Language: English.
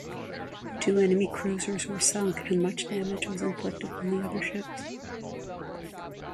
Two enemy cruisers were sunk, and much damage was inflicted on the other ships.